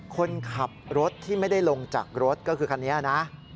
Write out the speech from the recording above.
คนขับรถที่ไม่ได้ลงจากรถก็คือคันนี้นะ